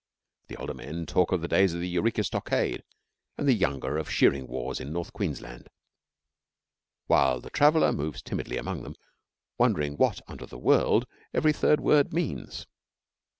The older men talk of the days of the Eureka Stockade and the younger of 'shearing wars' in North Queensland, while the traveller moves timidly among them wondering what under the world every third word means.